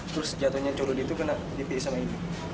terus jatuhnya celurit itu kena dipilih sama ini